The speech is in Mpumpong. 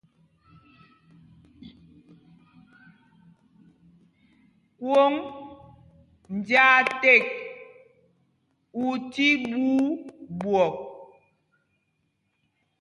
Kwòŋ njāā ték ú tí ɓuu ɓwɔk.